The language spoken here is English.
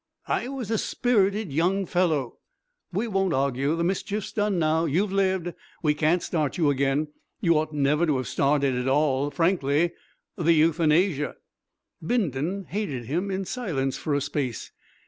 "I was a spirited young fellow." "We won't argue; the mischief's done now. You've lived. We can't start you again. You ought never to have started at all. Frankly the Euthanasia!" Bindon hated him in silence for a space.